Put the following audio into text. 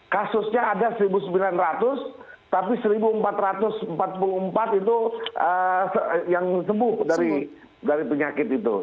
kasusnya ada satu sembilan ratus tapi satu empat ratus empat puluh empat itu yang sembuh dari penyakit itu